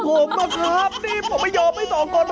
โอ้โฮ